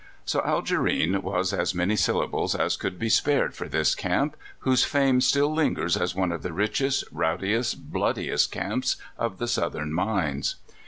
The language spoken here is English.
So Algerine was as many syllables as could be spared for this camp, whose fame still lingers as one of the richest, rowdiest, bloodiest camps of the Southern mines.